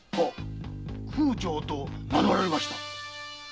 空澄と名乗られました。